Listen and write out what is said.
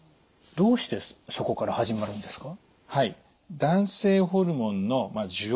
どうしてそこから始まるんですか？